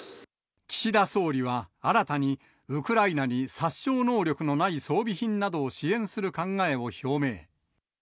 岸田総理は新たに、ウクライナに殺傷能力のない装備品などを支援する考えを表明。